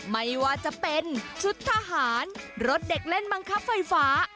ไม่ว่าจะเป็นชุดทหารรถเด็กเล่นบังคับไฟฟ้า